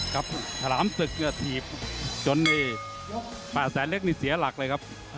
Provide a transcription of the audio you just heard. ครับฉลามสึกเนื้อถีบจนในแปดแสนเล็กนี่เสียหลักเลยครับ